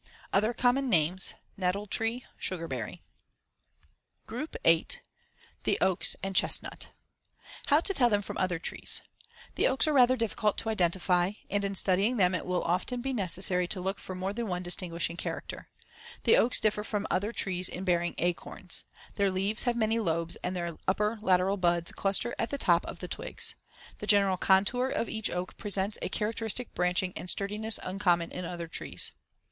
Other common names: Nettle tree; sugarberry. GROUP VIII. THE OAKS AND CHESTNUT How to tell them from other trees: The oaks are rather difficult to identify and, in studying them it will often be necessary to look for more than one distinguishing character. The oaks differ from other trees in bearing acorns. Their leaves have many lobes and their upper lateral buds cluster at the top of the twigs. The general contour of each oak presents a characteristic branching and sturdiness uncommon in other trees.